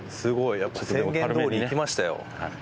やっぱ宣言どおりいきましたよ。